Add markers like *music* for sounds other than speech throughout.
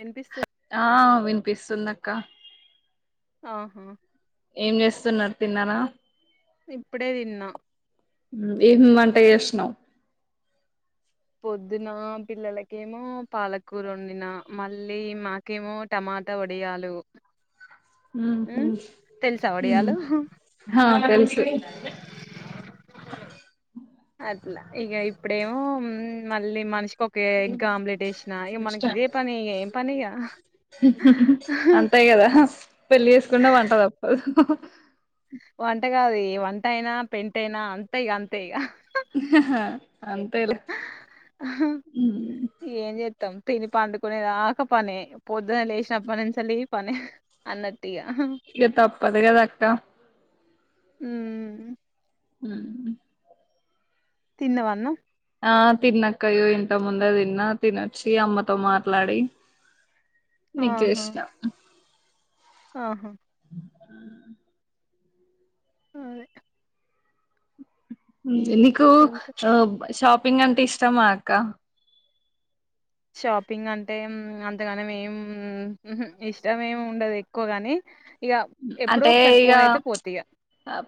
వినిపిస్తు ఆ వినిపిస్తుందక్క ఆహ ఏం చేస్తున్నారు తిన్నారా ఇప్పుడే తిన్న ఉ ఏం వంట చేసినవ్ పొద్దున పిల్లలకేమో పాలకూర వండిన. మళ్ళీ మాకేమో టమాటా, వడియాలు. ఉహు ఉమ్ తెలుసా హు వడియాలు హ తెలుసు ఇంగ ఇప్పుడేమో ఉం మళ్ మనిషి ఒకే ఎగ్ ఆమ్లెట్ ఏసిన ఇక మనకి ఇదే పని ఏం పనిగ హా అంతే కదా పెళ్లి చేసుకుంటే వంటతప్పదు. వంట గాదు వంట అయినా పెంట అయినా అంతే ఇగ అంతే ఇగ ఇహ హా అంతేలే అహా ఏం చె మం తిని పండుకునేదాకా పనే పొద్దున లేచినప్పటినుంచి సలి పనే అన్నట్ ఇగ తప్పదు కదాక్క ఊమ్ ఉహు తిన్నవ అను ఆ తిన్నక్కయో ఇంత ముందే తిన్నా తినొచ్చి అమ్మతో మాట్లాడి నీకిజేష్ణ అహ అదే. నీకు ఇంకా అ షాప్ ఇంగంటె ఇష్టమాక్క షాపింగ్ అంటేం అంతగాని మేం ఉహు ఇష్టమేం ఉండదు ఎక్కువగాని అంటే ఇగ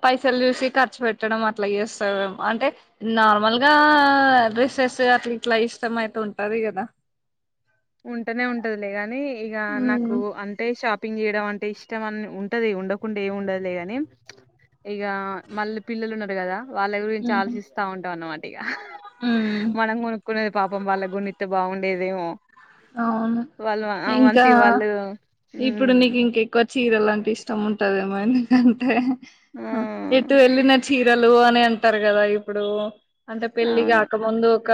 పైసల్ చూసి ఖర్చు పెట్ చట్టడం అట్లా చేస్తా అంటే నార్మల్గా డ్రెస్సెస్ అట్లా ఇట్లా ఇష్టం అయితే ఉంటది కదా ఉంటేనే ఉంటదులే గానీ ఇగ నాకు ఉమ్ అంటే షాపింగ్ చేయడం అన్ అంటే ఇష్టం అని ఉంటది ఉండకుండా ఏం ఉండదులే గాని ఇగ మళ్ళీ పిల్లలు ఉన్నారు కదా వాళ్ళ గురించి ఉమ్ ఆలోచిస్తా ఉంటాం అన్నమాట ఇగ మనం కొనుక్కునేది పాపం వాళ్ళ గున్నిత్ బాగున్ ఏదేమో అవును ఇంకా వాళ్ళు ఇప్పుడు నీకు హ్మ్. ఇంక ఎక్కువత్ చీర లాంటి ఇష్టం ఉంటదేమో గఅంతే ఆ! చెటు వెళ న చీరలు అని అంటారు కదా ఇప్పుడు అంటే పెళ్ళిగా అవును. కాకముందు ఒక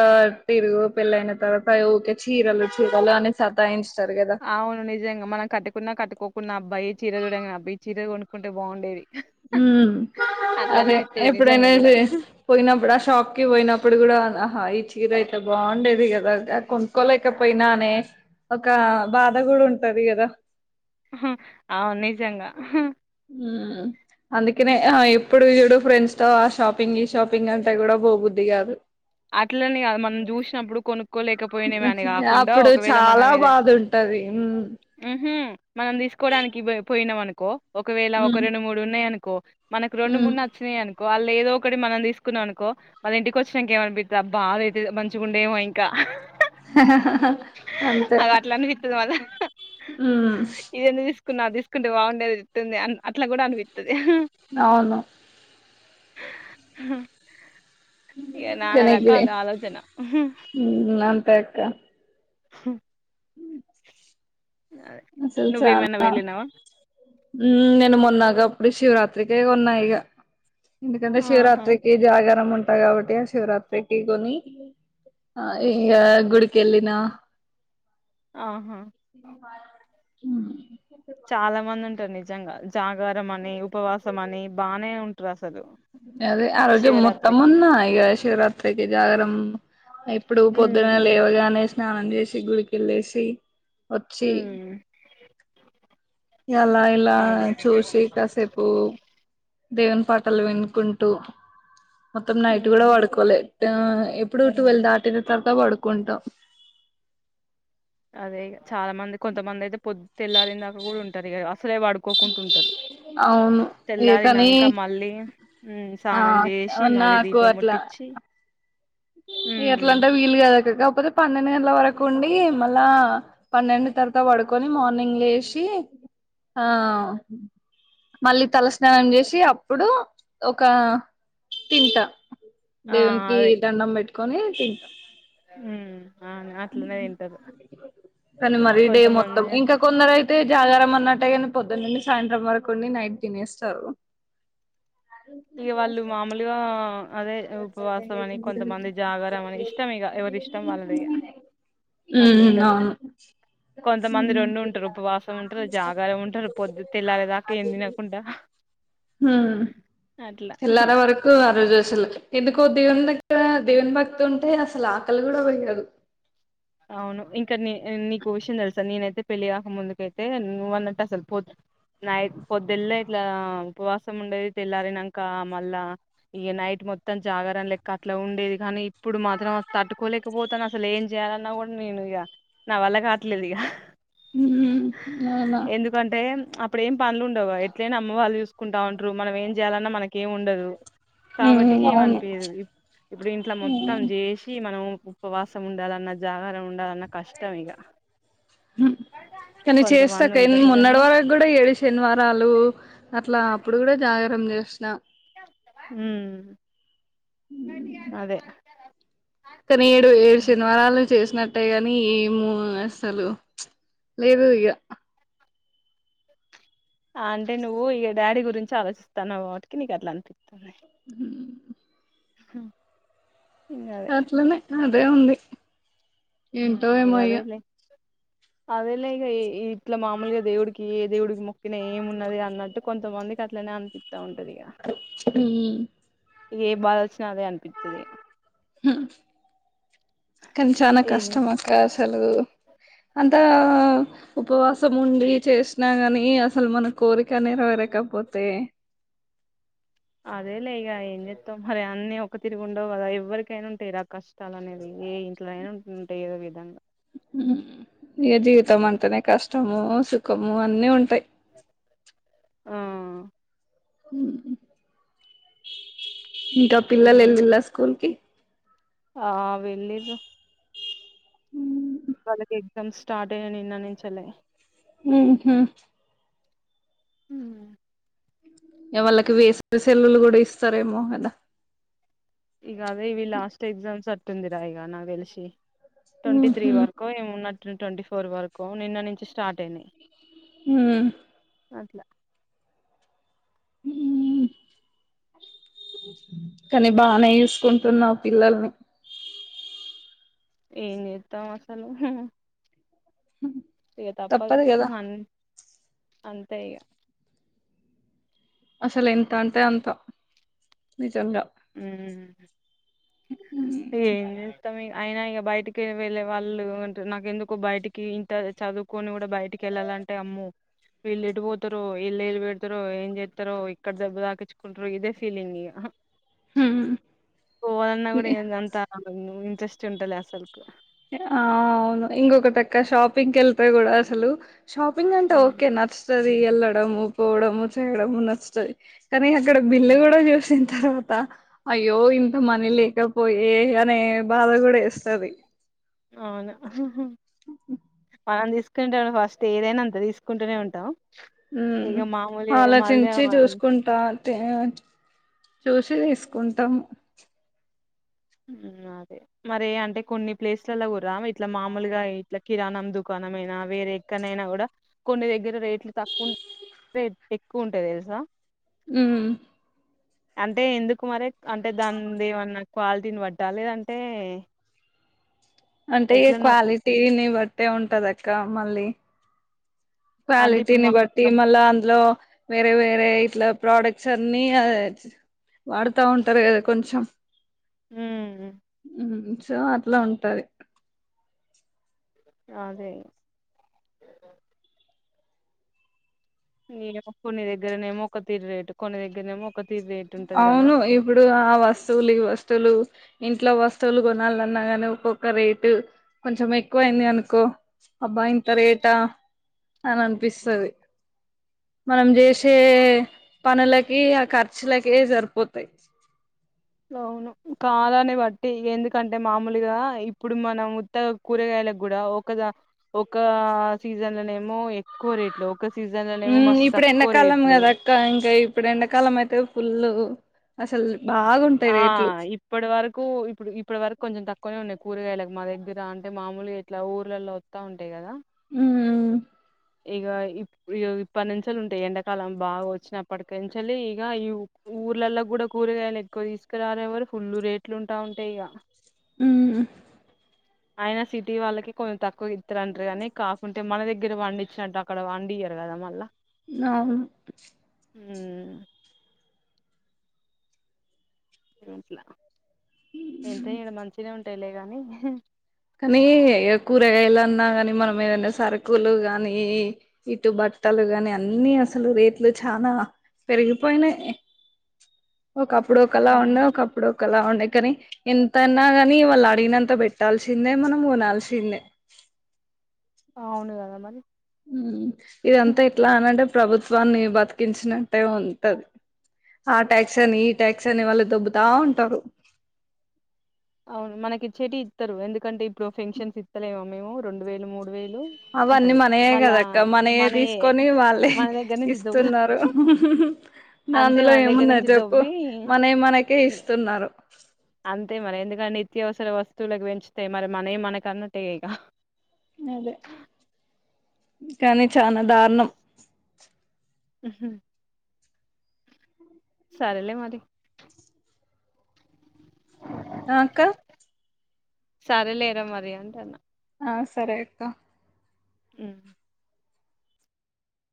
ఇరుగు పిలయినా తరవాతా *unintelligible* చీరలు లో అని సాతాఇంచ్ అవును నిజంగా మనం కట్టుకున్నా కట్టుకోకున్న అబ్బాయి చీర చూడంగా అాయిీర కొంక్కుంటే బాగుండేది ఉమ్ అట్లా అదే అనిపిత్తది నిజంగా ఎప్పుడైనా కూడా. పోయినప్పుడు ఆ షాక్కిి పోయినప్పుడు కూడా హా ఇ చి రా ఇట్ల బాగుండేది కదా కొనుకోలేకపోయినా అనే ఒక బాధ కూడా ఉంటది కదా అవు నిజంగా ఉమ్ అందుకనే ఇప్పుడు చడు ఫ్రెండ్స్ తో ఆ షాపింగ్ ఈ షాపింగ్ అంటే కూడా బోబుద్ది కాదు అట్లని కాదు మనం చూసినప్పుడు కొనుక్కోలేకపోయినావి అని కాకుండా అప్పుడు ఒకవేళ మన చాలా మీదహా బాధ ఉంటది ఉమ్ ఉమ్ హ్మ్ మనం తీసుకోవడానికి పోయినాం అనుకో ఒకవేళ ఒక ఉమ్ రెండు మూడు ఉన్నాయి అన కో మనకు రెండుూ ఉమ్ మూడు నచ్చినాయి అనుకో వాళ్ళ ఏదో ఒకటి మనం తీసుకున్నానుకో మళ్ళ ఇంటికి వచ్చినాక ఏమ బాధ అయితే మంచిగుండేమో ఇంకా అంతే అది అట్లా అనిపిత్తది మళ్ళ ఉమ్ బాగుండేది ఇట్లుంది అ అట్లా కూడ అనిపి అవును హా ఇగ నా నా *unintelligible* కనెక్రే కాల్ చేసిండా ఆలోచన వెళ్తా హ *inaudible* అసలు నువ్వేమైనా చాలా వెళ్ళినావా ఊ నేను మొన్న శివరాత్రకే కొన్న ఇగ ఎందుకంటే ఆహా శివరాత్రికి జాగారం ఉం కాబట్టి శివరాత్రికిి కొని ఆ ఇగ గుడికి వెళ్ళినా ఆహా *inaudible* చాలా మంది నిజంగా జాగారం అని ఉపవాసం అని బానే ఉం డ్రాసలు అదే ఆ రోజు మొత్తమున్న ఇగా శివరాత్రికి జాగరం ఇప్పుడు పొద్దున హ్మ్. లేవగానే స్ స్నానంమ్జేసి గుడికెళ్ళేసి వచ్చి హ్మ్. ఎలా ఇలా అదే చూసి కాసేపూ దేవుని పాటలు వినుకుంటూ మొత్తం నైట్ గూడా హ్మ్. పడ్కోలే డాఆ ఎప్పుడు టువెల్ దాటిన తర్వాత పడ్కుంటా అదే గా చాలా మంది కొంతమంధైతే పొద్ తెల్లారిన్దాకా గూడా ఉంటది గదా అసలే పడ్కోకుంటుంటారు అవును ఏ కానీ తెల్లారినాంకా మళ్ళీ ఉమ్ ఆ సానంమ్జేసి మళ్ళీ దీపం ముట్టించి ఇగా ఉమ్ గట్ల అంటే వీలుకదైతే కాపోతే పన్నెండు గంటల వరక్ కోండి మళ్ళా పన్నెండు తర్వాత పడ్కొని మార్నింగ్ లేసి ఆ మళ్ళీ తలస్నానంజేసి అప్పుడు ఒక తింటా ఆ అదే కొని తీ *inaudible* మ్ అను అట్లనే తింటారు కానీ మరీ డే మొత్తం కొంతమంది ఇంకా కొందరు అయితే జాగరం అన్నట్టే కానీ పొద్దున్నుండి సాయంత్రం వరకు ఉండి నైట్ తినేస్తారు ఇ వాళ్ళు మామూలుగా అదే ఉపవాసం అని కొంతమంది జాగరం అని ఇష్టం ఇక ఎవరి ఇష్టం వాళ్ళది ఇక ఉమ్ అట్లుంటారు అవును కొంతమంది రెండు ఉంటురు ఉపవాసం ఉంటారు జాగరం ఉంటారు పొద్దు తెల్లారేదాకా ఏం తినకుండా ఆ అట్లా తెల్లార వరకు ఆ రోజు అసలు ఎందుకో దేవుని దగ్గర దేవుని భక్తి ఉంటే అసలు ఆకలి కూడా ఉండదు అవును ఇంకా నీ నీకు విషయం తెలుసా నేన్ అయితే పెళ్లియాక ముందు క్తెతే నువ్వు అన్నట్టు అసలు పొద్ నైట్ పొద్దేల్లే ఇట్లా ఉపవాసం ఉండేది తెల్లారినాంక మళ్ళా ఇక నైట్ మొత్తం జాగరం లెక్క అట్లా ఉండేది కానీ ఇప్పుడు మాత్రం తట్టుకోలేకపోతాను అసలు ఏం చేయాల అ నవున్ మీ నుయ నా వల్ల కాట్లేదు ఇగ ఉమ్, అవునా ఎందుకంటే అప్పుడు ఏం పనులు ఉండవా ఎట్లైనా అమ్మ వాళ్ళు చూసుకుంటా ఉంట్రు మనం ఏం చేయాలన్నా మనక్ ఏం ఉండదు ఉమ్ కాబట్టికి అవును ఏమ్అనిపియదు ఇప్పుడు ఇంట్లో మొత్తం చేసి మనం ఉపవాసం ఉండాల అన్నద్ జాగరం ఉండాలన్న కష్టం ఇక మ్ కానీ చేస్తా కొంతమంది కై ఉంటారు గాని మొన్నటి వరకు కూడా ఏడు శనివారాలు అట్లా అప్పుడు కూడా జాగరం చేస్ *unintelligible* ఉష్ణ ఉమ్ అదే కానీ ఏడు ఏడు శనివారాలు చేసిన అంటే గాని ఏమో అసలు లేదు ఇగ అంటే నువ్వు ఇగ డాడీ గురించి ఆలోచిస్తానువుగా వాటికి నీకు అట్లా అన్ *inaudible* *inaudible* అదే అట్లనే ఆన్ అదే ఉంది ఉమ్ ఏంటో ఇగ ఏమయ్యా అదేలే అదేలే ఇక ఇ ఇట్లా మామలుగా దేవుడికి ఏ దేవుడికి మొక్కిన ఏమున్నది అన్నట్టు కొంతమందికి అట్లనే అనిపిస్తా ఉంటది కధా. ఈ ఏ బాధ వచ్చినా అదే అనిపిత్తది ఆ కానీ చానా ఏం కష్టం అక్కా అసలు ఆన్ అంత ఉపవాసం ఉండి చేసినా గాని అసలు మన కోరిక నెరవేరకపోతే అదే లే ఇక ఏం చెత్తవ్ మరి అన్నీ ఒక తిరిగా ఉండవు కదా ఎవ్వరికైనా ఉంటాయి కదా కష్టాల్ అనేవి, ఏ ఇంట్లో అయినా ఉంటంటాయి ఏదో విధంగా. ఉ ఏ జీవితం అంటనే కష్ట్ ష్టము సుఖము అన్నీ ఉంటాయ్ ఆ ఉ ఇంకా పిల్లలు ఏం చే వెళ్దిల్లా స్కూల్ కి ఆ వెళ్ళిండ్రు వాళ్ళకి ఎగ్జామ్స్ స్టార్ట్యే నిన్ననించేలే ఉ హ హ యవాళ్ళకి వేసవ్ సెలువులు కూడా ఇస్తారేమో కదా ఇగ అదే వీళ్ళ లాస్ట్ ఎక్సామ్స్ అట్ టుందిరా ఇగ నాక్ తెలిసి ట్వంటీ త్రీ ఉహు వరకు ఏమో ఉన్నట్ ట్వంటీ ఫోర్ వరకు నిన్న నుంచి స్టాట్ స్టార్ట్ అయింది ఉమ్ అద్ లా ఉ కన్ బానే చూసుకుంటున్నావ్ పిల్లల్ని ఏమ్ చెత్తమ్ అసలు హు హు ఏగా తప్పద్ తప్పదు కదా హు అన్ అంతే ఇగ అసలు ఎంత అంతే అంత నిజంగా ఉమ్ ఏ మొత్తం అయినా ఇగా బయటికి వెళ్ళే వాళ్ళు అంటే నాకెందుకో బయటికి ఇంత చదువుకొని కూడా బయటికి వెళ్ళాలింటే అమ్మో వీళ్ళు ఎటు పోతార ఎళ్ళు వెళ్ళు పెడతార ఏం చెస్తారో ఇక్కడ దెబ్బ తాకించుకుంటారు ఇదే ఫీలింగ్ ఇక ఉమ్ పోదన్న కూడాడ అంతా ఇంట్రెస్ట్ ఉంటాలే అసలుకు ఆ అవును ఇంకొకటక్క షాపింగ్కి వెళ్తే కూడా అసలు షాపింగ్ అంతా హ్మ్. ఓకే నచ్చుంది వెళ్లడము పోవడము చేయడము నచ్చతాది కానీ అక్కడ బిల్లు హ్మ్. కూడా చూసింది తర్వాత అయ్యో ఇంత మనీ లేకపోయే అనే బాధ కూడా యెస్తాది అవునా ఉహు మనం తీసుకునేళ ఫస్ట్ ఏదైనా అంతే తీసుకుంటూనే ఉంటాం ఉమ్ ఇక మామూలుగా ఇక మళ్ళీ ఆలోచించి చూసుకుంటా అంతే చూసి తీసుకుంటాము ఉమ్ అదే మరే అంటే కొన్ని ప్లేస్లలో కూడా రా ఇట్లా మామూలుగా ఇట్లా కిరాణం దుకాణం అయినా వేరే ఎక్కనైనా కూడా కొన్ని దగ్గర రేట్లు తక్కువ రే ఎక్కువ ఉంటాది తెలుసా ఉమ్ అంటే ఎందుకు మరే అంటే దందేమన్న క్వాలిటీని వట్టలేదంటే అంటే ఈ క్వాలిటీని బట్టే ఉంటదక్క మళ్ళీ అంటే ఇప్పుడు క్వాలిటీని మా బట్టి మళ్ళా అందులో వేరే వేరే ఇట్లా ప్రొడక్ట్స్ అన్ని అ వాడుతా ఉంటారు కదా కొంచెం ఉహు సో అట్లా ఉంటది అదే ఏమో కొన్ని దగ్గరనేమో ఒక తీర్ రేటు కొన్ని దగ్గరనేమొ అవును ఇప్పుడు ఆ వస్తువులు ఈ వస్తువులు ఇంట్లో వస్తువులు కొనాలన్నా గానీ ఒక్కొక్క రేటు కొంచెం ఎక్కువయింది అనుకో అబ్బా ఇంత రేటా అని అనిపిస్తది మనం చేసే పనులకి ఆ కర్ చ్చలకే సరిపోతయి అవును కాలాన్ని బట్టి ఎందుకంటే మామూలుగా ఇప్పుడు మనం ఉత్తగ కూరగాయలకు గూడా ఒకద ఒక సీజన్లనేమో ఎక్కువ రేట్లు ఒక సీజన్లనేమో ఉమ్ మస్తు ఇప్పుడు తక్కువ ఎండాకాలం రేట్లు కదక్క ఇంకా ఇప్పుడు ఎండాకాలం అయితే పుల్లు అసల్ ఆ ఇప్పడి వరకు ఇప్పుడు ఇప్పటి వరకు కొంచెం తక్కువనే ఉన్నయి కూరగాయలకు మా దగ్గర అంటే మామూలు ఎట్లా ఊర్లలో ఒత్త ఉంటాయి కదా ఉమ్ ఉమ్ ఇగ ఇప్ ఇప్పటి నుంచలి ఉంటాయి ఎండాకాలం బాగా వచ్చినప్పటి నుంచి ఇగ ఈ ఊర్లలో కూడా కూరగాయలు ఎక్కువ తీసుకురాలేవరు ఫుల్ రేట్లు ఉంటా ఉంటాయి ఇగ మ్మ్ ఆయన సిటీ వాళ్ళకి కొంచె టాక్ ఇతరంటరు కానీ కాకుంటే మన దగ్గర వండి చి నట్టు అక్కడ వండియరు కదా మళ్ళా అవును ఉమ్ అట్లా ఎంత ఈడ మంచినే ఉం ట్టేలే గాని కనీ కూరగాయలు అన్నా గని మనం ఏదనా సరుకులు గానీ ఇటు బట్టలు గాని అన్ని అసలు రేట్లు చానా పెరిగిపోయినయి ఒకప్పుడు ఒకలా అవును ఉన్నా ఒకప్పుడు లా ఉండే కాని ఎంతన్నా కాని వాళ్ళు అడిగినంత వెట్టాల్సిందే మనం కొనాల్సిందే అవును గద మరి మ్మ్ ఇదంతా ఇట్లా అనంట ప్రభుత్వాన్ని బతికించినట్టే ఉంటది ఆ ట్యాక్స్ అని ఈ ట్యాక్స్ అని వాళ్ళు దొబ్బతా ఉంటారు అవును ఇచెటీ ఇతరు ఎందుకంటే ఇప్పు ఫెంక్షన్స్ ఇతలేమో మేము రొండు వేలు మూడు వేలు అవన్నీ అంటారు మనయే మళ్ళా కదక్క మనయే తీసుకొని వాళ్ళే మన దగ్గర నుంచి దువ్వ ఇస్తున్నారు అంతే అందులో మన దగ్గర ఏమున్న నుంచి చెప్పు దొవ్వి మన మనకే ఇస్తున్నారు అంతే మరి ఎందుకంటే నిత్యవసర వస్తువులకు పెంచుతాయి మరి మననే మనక అన్నట్టే ఇక అదే కానీ చాలా దారుణం సరేలే మారి అక్క సరే లేరా మరి ఉంటున్న ఆ సరే అక్క హ్మ్